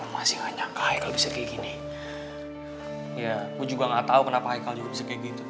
masih nyangka bisa kayak gini ya gue juga nggak tahu kenapa saya